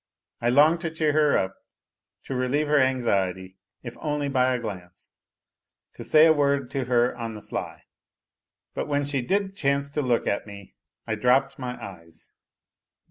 I longed to cheer her up, to relieve her anxiety if only by a glance ; to say a word to her on the sly. But when she did chance to look at me I dropped my eyes.